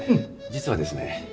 実はですね